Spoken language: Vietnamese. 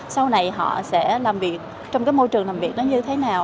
sau này họ sẽ làm việc trong môi trường làm việc như thế nào